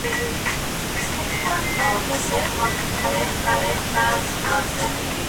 Esta percepción ha sido objeto de algunos estudios sociológicos importantes.